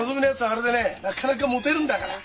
あれでねなかなかモテるんだから。